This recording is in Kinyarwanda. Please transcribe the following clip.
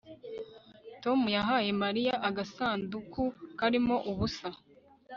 Tom yahaye Mariya agasanduku karimo ubusa